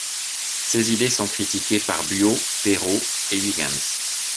Ces idées sont critiquées par Buot, Perrault et Huygens.